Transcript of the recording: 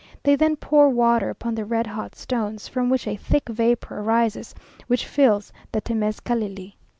They then pour water upon the red hot stones, from which a thick vapour arises, which fills the temezcalli.